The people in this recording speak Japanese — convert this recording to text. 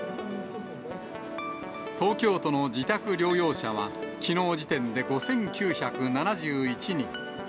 東京都の自宅療養者は、きのう時点で５９７１人。